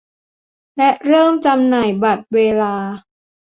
และเริ่มจำหน่ายบัตรเวลา